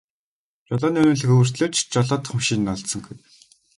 Жолооны үнэмлэх өвөртлөөд ч жолоодох машин нь олдсонгүй.